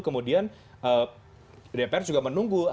kemudian dpr juga menunggu